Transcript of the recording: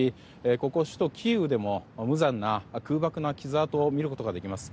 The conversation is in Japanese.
ここ首都キーウでも無残な空爆の傷跡を見ることができます。